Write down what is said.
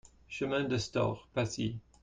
Chemin des Storts, Passy